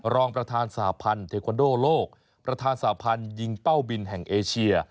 รองประธานสหพันธ์เทควันโดโลกประธานสาพันธ์ยิงเป้าบินแห่งเอเชีย